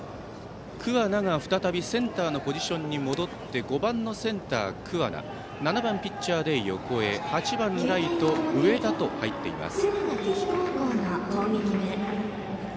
桑名が再びセンターのポジションに戻って５番センター、桑名７番ピッチャーで横江８番ライト、上田と入っています。